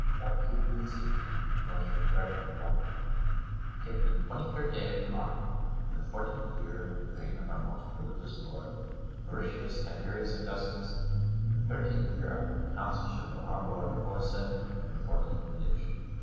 God keep you in safety, most reverend brother. Given the 23rd day of July, in the fourteenth year of the reign of our most religious lord, Mauritius Tiberius Augustus, the thirteenth year after the consulship of our lord aforesaid, and the fourteenth indiction."